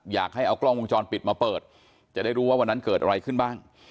อยากให้เอากล้องวงจรปิดมาเปิดจะได้รู้ว่าวันนั้นเกิดอะไรขึ้นบ้าง